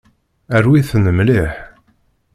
Rwi-ten mliḥ.